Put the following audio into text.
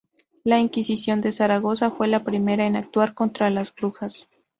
La Inquisición de Zaragoza fue la primera en actuar contra las brujas.